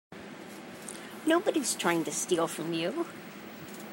Nobody's trying to steal from you.